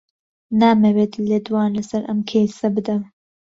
نامەوێت لێدوان لەسەر ئەم کەیسە بدەم.